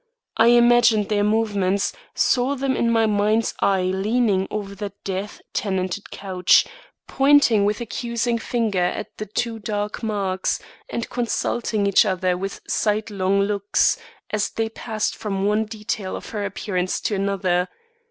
I imagined their movements; saw them in my mind's eye leaning over that death tenanted couch, pointing with accusing finger at those two dark marks, and consulting each other with side long looks, as they passed from one detail of her appearance to another.